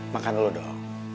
makan dulu dong